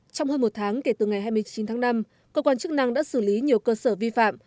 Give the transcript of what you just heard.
trong hơn một tháng kể từ ngày hai mươi chín tháng năm cơ quan chức năng đã xử lý nhiều cơ sở vi phạm